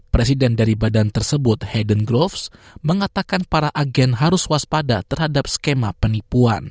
presiden dari badan tersebut haiden grove mengatakan para agen harus waspada terhadap skema penipuan